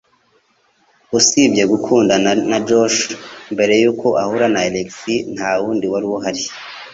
Usibye gukundana na Josh mbere yuko ahura na Alex, ntawundi wari uhari.